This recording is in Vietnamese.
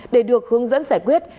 để được hướng dẫn giải quyết